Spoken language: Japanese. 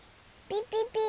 ピピピピ。